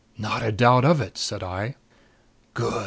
"Not a doubt of it!" said I. "Good!"